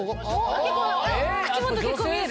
口元結構見える！